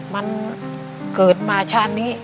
มันเกิดมาชาตินี้